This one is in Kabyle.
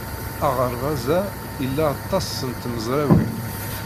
Aɣerbaz-a ila aṭas n tmezrawin.